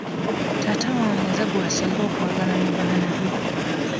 Taata wange nze gw'asinga okwagala mu baana be.